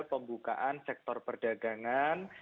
pembukaan sektor perdagangan